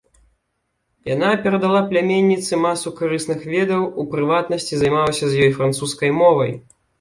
Яна перадала пляменніцы масу карысных ведаў, у прыватнасці, займалася з ёй французскай мовай.